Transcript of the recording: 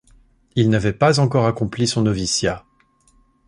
Il n'avait pas encore accompli son noviciat.